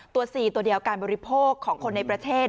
ตัว๔ตัวเดียวการบริโภคของคนในประเทศ